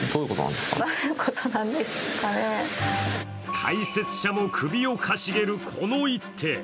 解説者も首をかしげるこの一手。